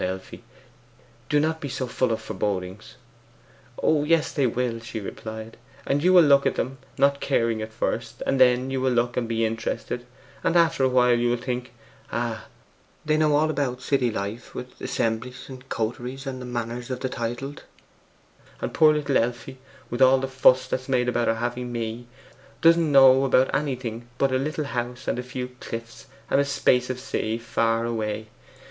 Elfie, do not be so full of forebodings.' 'Oh yes, they will,' she replied. 'And you will look at them, not caring at first, and then you will look and be interested, and after a while you will think, "Ah, they know all about city life, and assemblies, and coteries, and the manners of the titled, and poor little Elfie, with all the fuss that's made about her having me, doesn't know about anything but a little house and a few cliffs and a space of sea, far away."